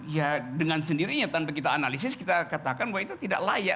ya dengan sendirinya tanpa kita analisis kita katakan bahwa itu tidak layak